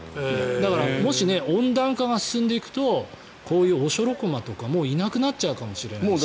だからもし温暖化が進んでいくとこういうオショロコマとかもいなくなっちゃうかもしれないし。